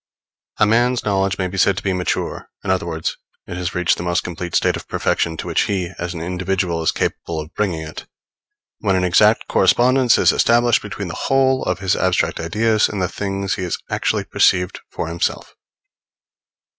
A man's knowledge may be said to be mature, in other words, it has reached the most complete state of perfection to which he, as an individual, is capable of bringing it, when an exact correspondence is established between the whole of his abstract ideas and the things he has actually perceived for himself.